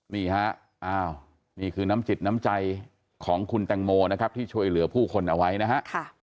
นี่ฮะอ้าวนี่คือน้ำจิตน้ำใจของคุณแตงโมนะครับที่ช่วยเหลือผู้คนเอาไว้นะฮะ